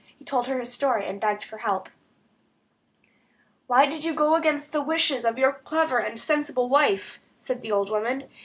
He told her his story, and begged for help. "Why did you go against the wishes of your clever and sensible wife?" said the old woman.